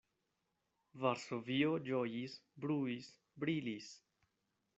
Varsovio ĝojis, bruis, brilis.